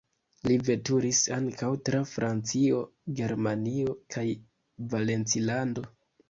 Li veturis ankaŭ tra Francio, Germanio kaj Valencilando.